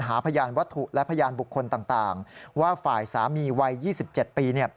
หาพยานวัตถุและพยานบุคคลต่างว่าฝ่ายสามีวัย๒๗ปี